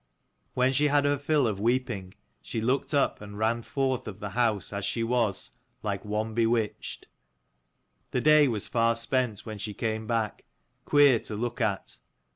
When she had her fill of weeping, she looked up and ran forth of the house as she was, like one bewitched. The day was far spent when she came back, queer to look at.